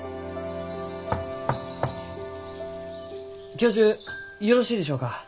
教授よろしいでしょうか？